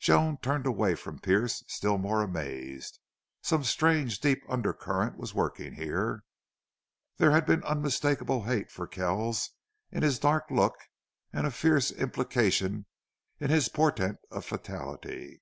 Joan turned away from Pearce still more amazed. Some strange, deep undercurrent was working here. There had been unmistakable hate for Kells in his dark look and a fierce implication in his portent of fatality.